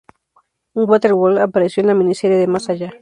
Un Battleworld apareció en la miniserie de "Más allá!".